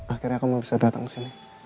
akhirnya aku bisa datang kesini